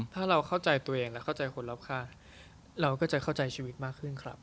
ถ้าเราเข้าใจตัวเองและเข้าใจคนรอบข้างเราก็จะเข้าใจชีวิตมากขึ้นครับ